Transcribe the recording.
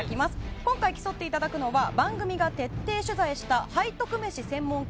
今回競っていただくのは番組が徹底取材した背徳飯専門家